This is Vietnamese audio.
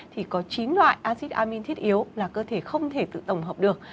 thì có chín loại acid amin thiết yếu là cơ thể không thể tự tổng hợp được